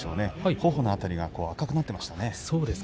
ほほの辺りが赤くなっていましたね。